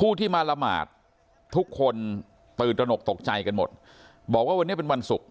ผู้ที่มาละหมาดทุกคนตื่นตระหนกตกใจกันหมดบอกว่าวันนี้เป็นวันศุกร์